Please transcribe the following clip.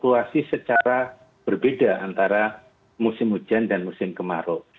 situasi secara berbeda antara musim hujan dan musim kemarau